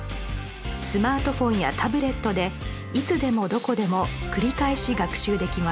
スマートフォンやタブレットでいつでもどこでも繰り返し学習できます。